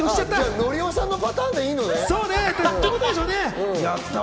のりおさんのパターンでいいのね。